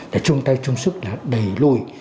để chung tay chung sức là đầy lùi